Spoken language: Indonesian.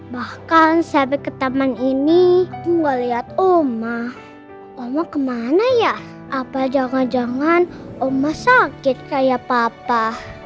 bahkan sampai ke taman ini enggak lihat omah omah kemana ya apa jangan jangan omah sakit kayak papa